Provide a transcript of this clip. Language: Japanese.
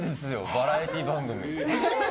バラエティー番組。